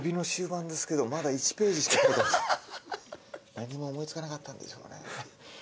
何も思い付かなかったんでしょうね。